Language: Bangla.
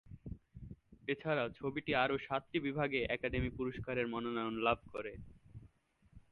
এছাড়া ছবিটি আরও সাতটি বিভাগে একাডেমি পুরস্কারের মনোনয়ন লাভ করে।